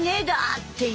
っていう。